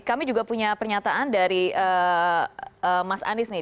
kami juga punya pernyataan dari mas anies nih